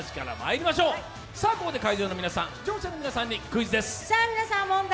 ここで会場の皆さん、視聴者の皆さんにクイズです。